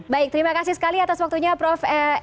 baik terima kasih sekali atas waktunya prof